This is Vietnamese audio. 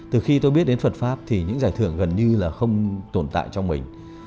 từ khi tôi biết đến phật pháp thì những giải thưởng gần như là không tồn tại trong mình